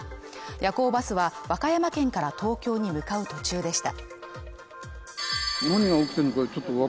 夜行バスは、和歌山県から東京に向かう途中でした。